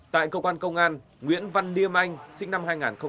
tại công an công an nguyễn văn điêm anh sinh năm hai nghìn hai